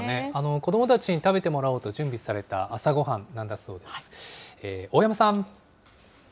子どもたちに食べてもらおうと準備された朝ごはんなんだそうです。